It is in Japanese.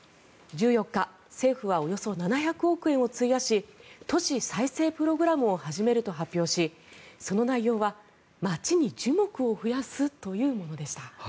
１４日、政府はおよそ７００億円を費やし都市再生プログラムを始めると発表しその内容は街に樹木を増やすというものでした。